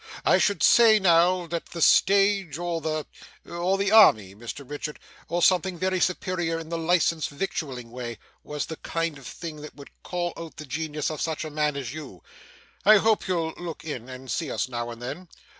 I should say, now, that the stage, or the or the army, Mr Richard or something very superior in the licensed victualling way was the kind of thing that would call out the genius of such a man as you. I hope you'll look in to see us now and then.